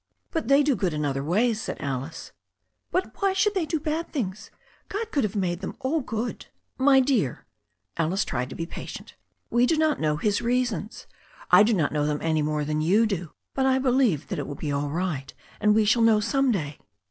'But they do good in other ways," said Alice. 'But why should they do any bad things? Gcd could have made them all good." "My dear" — ^Alice tried to be patient — ^"we do not know His reasons. I do not know them any more than you do. But I believe that it will be all right, and we shall know some day."